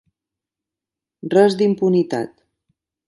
Res d'impunitat.